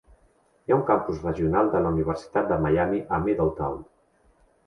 Hi ha un campus regional de la Universitat de Miami a Middletown.